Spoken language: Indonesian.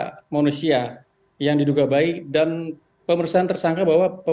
ada manusia yang diduga baik dan pemersahan tersangka bahwa